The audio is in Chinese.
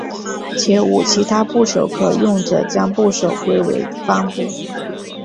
且无其他部首可用者将部首归为方部。